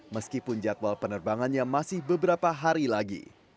meskipun jadwal penerbangannya masih beberapa hari lagi